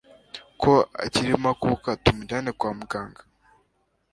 ko akirimo akuka tumujyane kwa muganga